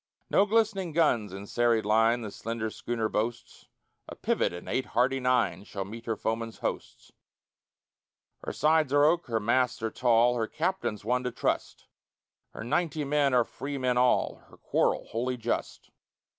No glistening guns in serried line The slender schooner boasts, A pivot and eight hearty nines Shall meet her foeman's hosts; Her sides are oak, her masts are tall, Her captain's one to trust, Her ninety men are free men all, Her quarrel wholly just.